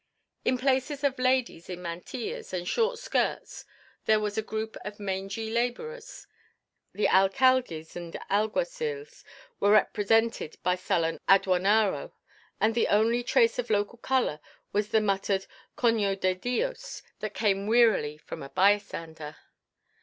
In places of ladies in mantillas and short skirts there was a group of mangy laborers, the alcaldes and alguacils were represented by a sullen aduenaro, and the only trace of local color was in a muttered "Coño de Dios" that came wearily from a bystander.